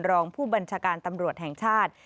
รองผู้บัญชาการตำรวจแห่งชาติ